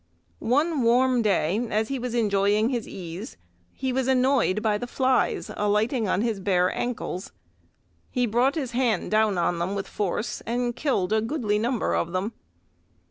One warm day as he was enjoying his ease, he was annoyed by the flies alighting on his bare ankles. He brought his hand down on them with force and killed a goodly number of them.